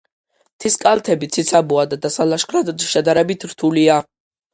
მთის კალთები ციცაბოა და დასალაშქრად შედარებით რთულია.